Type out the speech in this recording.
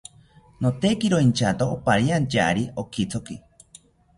Notekiro inchato opariantyari okithoki